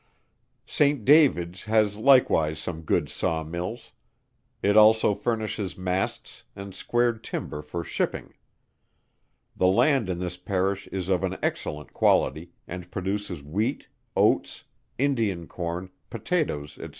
St. Davids has likewise some good saw mills. It also furnishes masts, and squared timber for shipping. The land in this Parish is of an excellent quality, and produces wheat, oats, Indian corn, potatoes, &c.